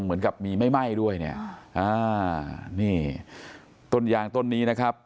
เหมือนกับมีไม่ไหม้ด้วยเนี่ยอ่านี่ต้นยางต้นนี้นะครับ